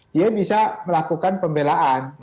dia bisa melakukan pembelaan